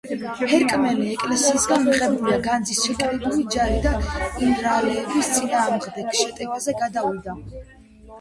ჰერაკლემ ეკლესიისგან მიღებული განძით შეკრიბა ჯარი და ირანელების წინააღმდეგ შეტევაზე გადავიდა.